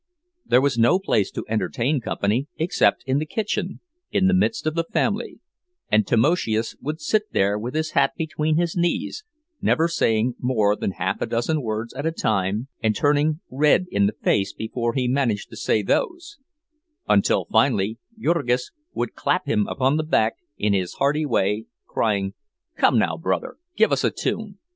There was no place to entertain company except in the kitchen, in the midst of the family, and Tamoszius would sit there with his hat between his knees, never saying more than half a dozen words at a time, and turning red in the face before he managed to say those; until finally Jurgis would clap him upon the back, in his hearty way, crying, "Come now, brother, give us a tune."